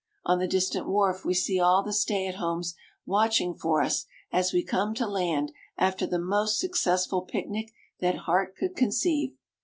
On the distant wharf we see all the stay at homes watching for us as we come to land after the most successful picnic that heart could conceive.